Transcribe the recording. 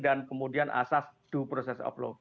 dan kemudian asas due process of law